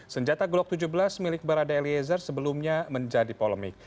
senjata glock tujuh belas milik barada eliezer sebelumnya menjadi polemik